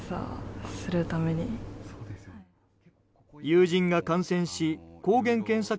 友人が感染し抗原検査